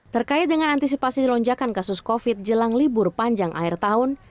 terkait dengan antisipasi lonjakan kasus covid jelang libur panjang akhir tahun